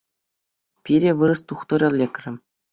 Пире вырӑс тухтӑрӗ лекрӗ.